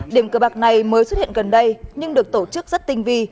điểm cơ bạc này mới xuất hiện gần đây nhưng được tổ chức rất tinh vi